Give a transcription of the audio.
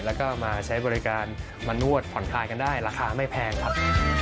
แล้วก็มาใช้บริการมานวดผ่อนคลายกันได้ราคาไม่แพงครับ